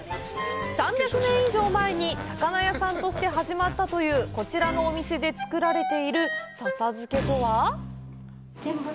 ３００年以上前に魚屋さんとして始まったというこちらのお店で作られている笹漬けとは。